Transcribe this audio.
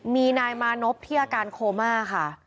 มีนายมานพที่อาการโคม่าค่ะ